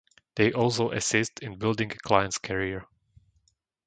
They also assist in building a client's career.